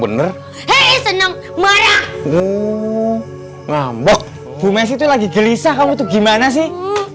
bener senang marah ngambek bumesi lagi gelisah kamu tuh gimana sih